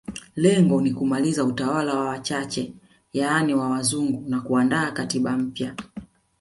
Lengo ni kumaliza utawala wa wachache yani wa wazungu na kuandaa katiba mpya